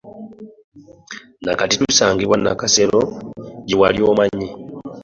Na kati tusangibwa Nakasero gye wali omanyi.